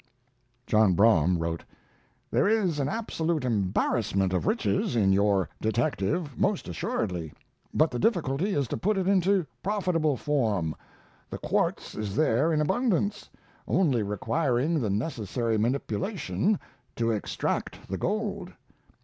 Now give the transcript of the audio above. John Brougham wrote: There is an absolute "embarrassment of riches" in your "Detective" most assuredly, but the difficulty is to put it into profitable form. The quartz is there in abundance, only requiring the necessary manipulation to extract the gold.